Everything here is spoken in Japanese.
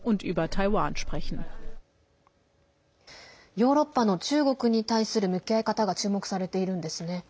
ヨーロッパの中国に対する向き合い方が注目されているんですね。